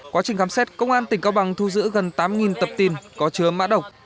quá trình khám xét công an tỉnh cao bằng thu giữ gần tám tập tin có chứa mã độc